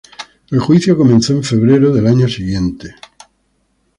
El juicio comenzó en febrero del año siguiente.